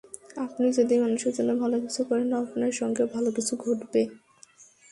আপনি যদি মানুষের জন্য ভালো কিছু করেন, আপনার সঙ্গেও ভালো কিছু ঘটবে।